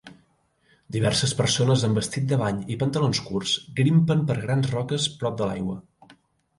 Diverses persones en vestit de bany i pantalons curts grimpen per grans roques prop de l'aigua.